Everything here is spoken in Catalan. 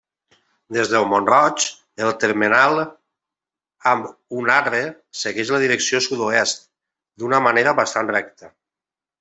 Des del Mont-roig, el termenal amb Unarre segueix la direcció sud-oest, d'una manera bastant recta.